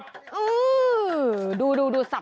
โหดูเขาสับ